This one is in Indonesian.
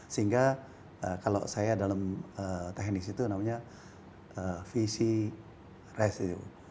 sehingga kalau saya dalam teknis itu namanya vc resil